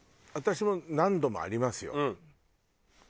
私も何度もありますよ。